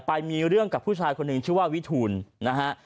ไปมีเรื่องกับผู้ชายคนหนึ่งชื่อว่าวิทูลนะฮะ